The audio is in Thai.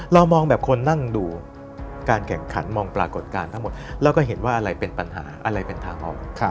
เรามองแบบคนนั่งดูการแข่งขันมองปรากฏการณ์ทั้งหมดแล้วก็เห็นว่าอะไรเป็นปัญหาอะไรเป็นทางออก